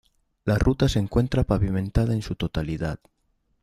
La Ruta se encuentra pavimentada en su totalidad.